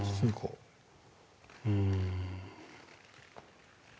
うん。